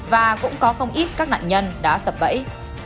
và cũng có không ít các nạn nhân đã sập bẫy